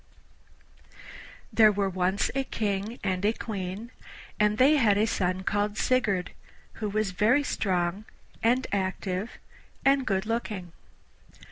There were once a King and a Queen, and they had a son called Sigurd, who was very strong and active, and good looking.